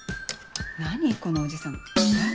何このおじさん誰？